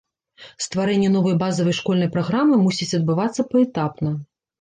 Стварэнне новай базавай школьнай праграмы мусіць адбывацца паэтапна.